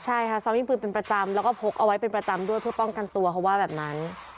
ใช่ค่ะซ้อมยิงปืนเป็นประจำแล้วก็พกเอาไว้เป็นประจำด้วยเพื่อป้องกันตัวเขาว่าแบบนั้น